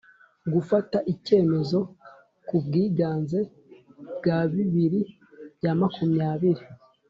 gufata icyemezo ku bwiganze bwa bibiri bya makumyabiri